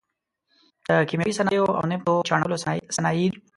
د کیمیاوي صنایعو او نفتو چاڼولو صنایع دي.